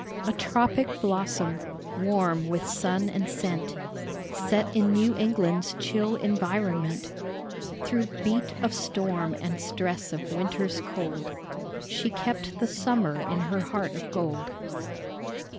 A tropic blossom, warm with sun and scent, Set in New England's chill environment ; Through beat of storm and stress of winter's cold, She kept the summer in her heart of gold.